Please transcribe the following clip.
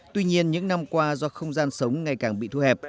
tuy nhiên những năm qua do không gian sống ngày càng bị thu hẹp